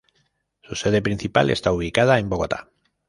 Su sede principal está ubicada en Bogotá.